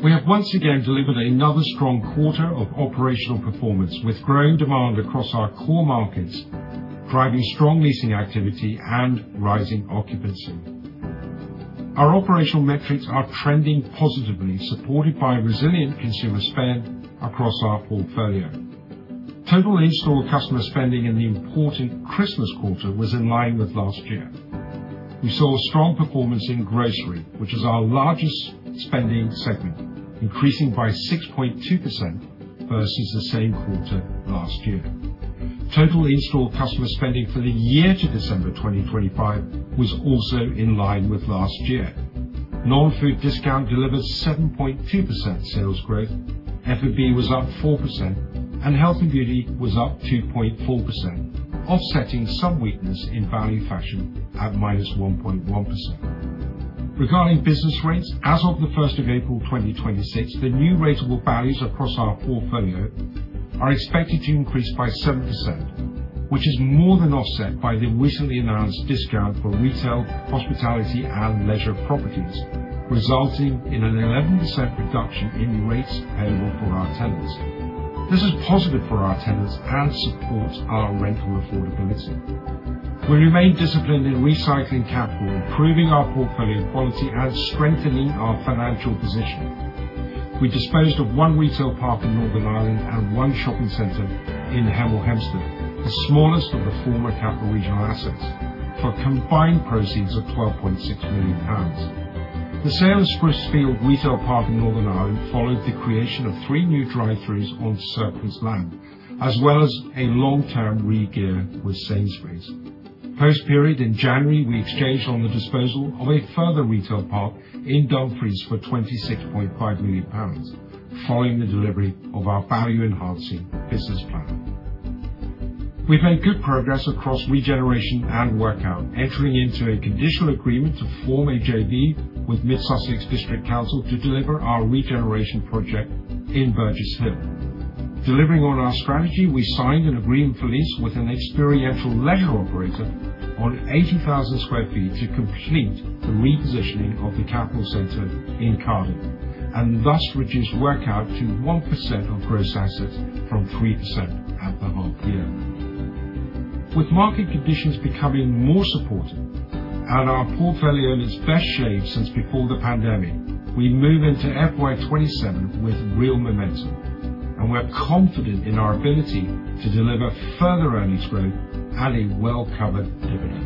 We have once again delivered another strong quarter of operational performance, with growing demand across our core markets, driving strong leasing activity and rising occupancy. Our operational metrics are trending positively, supported by resilient consumer spend across our portfolio. Total in-store customer spending in the important Christmas quarter was in line with last year. We saw a strong performance in grocery, which is our largest spending segment, increasing by 6.2% versus the same quarter last year. Total in-store customer spending for the year to December 2025 was also in line with last year. Non-food discount delivered 7.2% sales growth, F&B was up 4%, and health and beauty was up 2.4%, offsetting some weakness in value fashion at -1.1%. Regarding business rates, as of the first of April 2026, the new rateable values across our portfolio are expected to increase by 7%, which is more than offset by the recently announced discount for retail, hospitality, and leisure properties, resulting in an 11% reduction in the rates payable for our tenants. This is positive for our tenants and supports our rental affordability. We remain disciplined in recycling capital, improving our portfolio quality, and strengthening our financial position. We disposed of one retail park in Northern Ireland and one shopping center in Hemel Hempstead, the smallest of the former Capital & Regional assets, for combined proceeds of 12.6 million pounds. The sale of Sprucefield Retail Park in Northern Ireland followed the creation of three new drive-throughs on surplus land, as well as a long-term regear with Sainsbury's. Post-period in January, we exchanged on the disposal of a further retail park in Dumfries for 26.5 million pounds, following the delivery of our value-enhancing business plan. We've made good progress across regeneration and workout, entering into a conditional agreement to form a JV with Mid Sussex District Council to deliver our regeneration project in Burgess Hill. Delivering on our strategy, we signed an agreement for lease with an experiential leisure operator on 80,000 sq ft to complete the repositioning of the Capitol Centre in Cardiff, and thus reduce workout to 1% of gross assets from 3% at the half year. With market conditions becoming more supportive and our portfolio in its best shape since before the pandemic, we move into FY27 with real momentum, and we're confident in our ability to deliver further earnings growth and a well-covered dividend.